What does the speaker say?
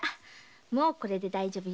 もうこれで大丈夫よ。